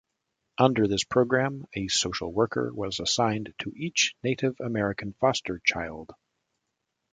Under this program, a social worker was assigned to each Native American foster child.